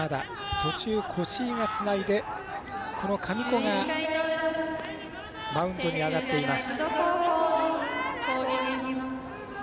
途中、越井がつないで神子がマウンドに上がっています。